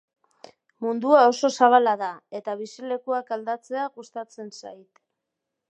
Mundua oso zabala da, eta bizilekuak aldatzea gustatzen zait.